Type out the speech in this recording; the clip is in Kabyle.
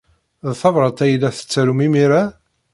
D tabṛat ay la tettarumt imir-a?